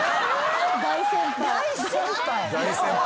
大先輩。